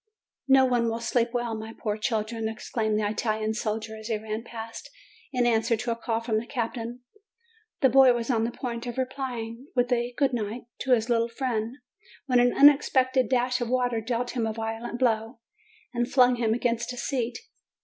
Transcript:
"No one will sleep well, my poor children!" ex claimed the Italian sailor as he ran past, in answer to a call from the captain. The boy was on the point of 334 JUNE replying with a "good night" to his little friend, when an unexpected dash of water dealt him a violent blow, and flung him against a seat.